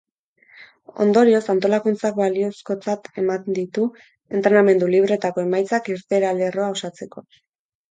Ondorioz, antolakuntzak balizkotzat eman ditu entrenamendu libreetako emaitzak irteera lerroa osatzeko.